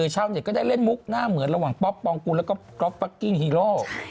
ชาวเน็ตก็ได้เล่นมุกหน้าเหมือนระหว่างป๊อปปองกูลแล้วก็ก๊อฟฟักกิ้งฮีโร่